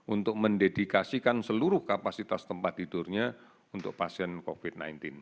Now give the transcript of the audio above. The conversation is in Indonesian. untuk mendedikasikan seluruh kapasitas tempat tidurnya untuk pasien covid sembilan belas